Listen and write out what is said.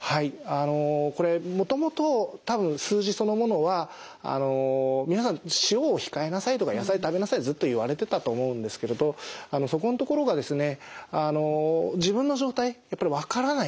あのこれもともと多分数字そのものは皆さん塩を控えなさいとか野菜食べなさいってずっと言われてたと思うんですけれどそこんところがですね